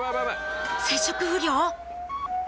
接触不良？